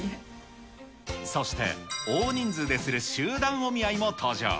そして大人数でする集団お見合いも登場。